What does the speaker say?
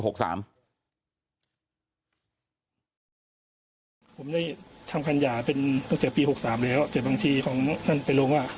ผมได้ทำคันหย่าตั้งแต่ปี๖๓แล้วแต่บางทีของนั้นไปลงว่า